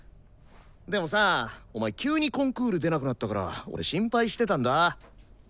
でもさお前急にコンクール出なくなったから俺心配してたんだ。